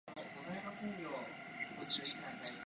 と書きかえるだけの仕事に過ぎないかも知れない